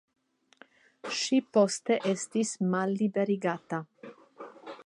Ŝi poste estis malliberigita.